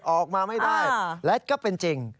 ออกมาไม่ได้และก็เป็นจริง